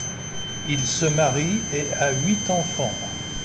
Il se marie et a huit enfants.